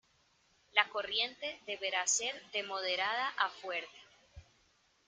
La corriente deberá ser de moderada a fuerte.